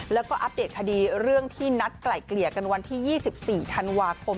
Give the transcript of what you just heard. แล้วก็อัปเดตคดีเรื่องที่นัดไกล่เกลี่ยกันวันที่๒๔ธันวาคม